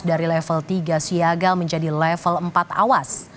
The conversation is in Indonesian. dari level tiga siaga menjadi level empat awas